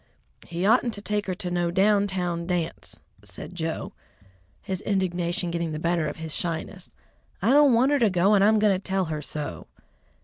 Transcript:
"He oughtn't to take her to no down town dance," said Joe, his indignation getting the better of his shyness. "I don't want her to go, and I'm going to tell her so."